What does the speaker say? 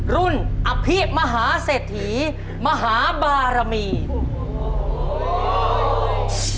รุ่นอภิมหาเศรษฐีมหาบารมีน